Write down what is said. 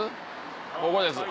ここです。